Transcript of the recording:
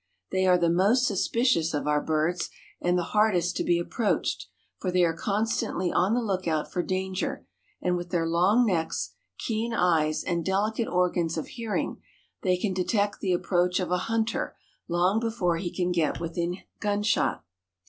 They are the most suspicious of our birds and the hardest to be approached for they are constantly on the lookout for danger and with their long necks, keen eyes, and delicate organs of hearing, they can detect the approach of a hunter long before he can get within gunshot.